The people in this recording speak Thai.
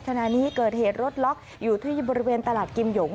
ขณะนี้เกิดเหตุรถล็อกอยู่ที่บริเวณตลาดกิมหยง